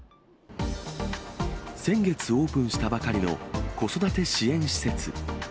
先月オープンしたばかりの子育て支援施設。